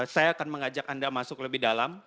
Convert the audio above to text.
saya akan mengajak anda masuk lebih dalam